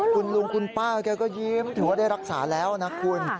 คุณลุงคุณป้าแกก็ยิ้มถือว่าได้รักษาแล้วนะคุณ